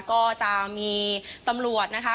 ก็จะมีตำรวจนะคะ